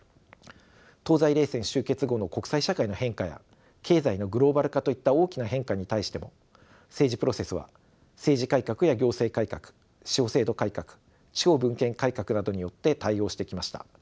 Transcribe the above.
東西冷戦終結後の国際社会の変化や経済のグローバル化といった大きな変化に対しても政治プロセスは政治改革や行政改革司法制度改革地方分権改革などによって対応してきました。